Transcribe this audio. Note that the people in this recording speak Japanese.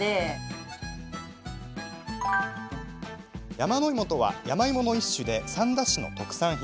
山の芋とは山芋の一種で三田市の特産品。